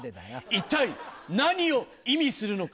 一体何を意味するのか。